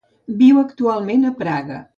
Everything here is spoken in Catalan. Viu actualment a Praga.